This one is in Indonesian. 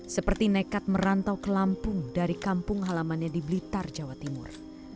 seperti nekat merantau ke lampung dari kampung halamannya di blitar jawa timur